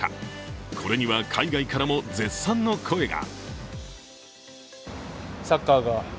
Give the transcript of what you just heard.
これには海外からも絶賛の声が。